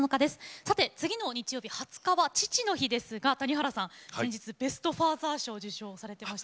さて、次の日曜日２０日は父の日ですが谷原さん、先日ベスト・ファーザー賞、受賞されてました。